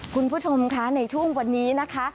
คุณผู้ชมคะในช่วงวันนี้นะคะ